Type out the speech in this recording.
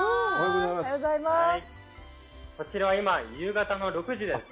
こちらは今、夕方の６時です。